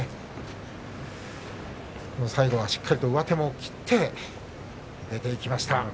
最後はしっかりと上手を切って出ていきました。